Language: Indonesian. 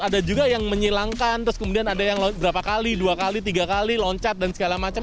ada juga yang menyilangkan terus kemudian ada yang berapa kali dua kali tiga kali loncat dan segala macam